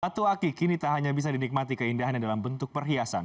batu akik ini tak hanya bisa dinikmati keindahannya dalam bentuk perhiasan